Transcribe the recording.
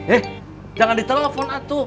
eh jangan di telepon atuh